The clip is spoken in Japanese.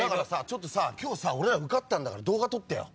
ちょっと俺ら受かったんだから動画撮ってよ。